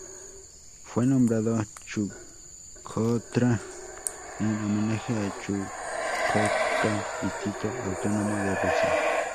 Fue nombrado Chukotka en homenaje a Chukotka, distrito autónomo de Rusia.